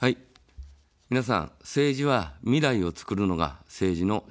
皆さん、政治は未来をつくるのが政治の仕事です。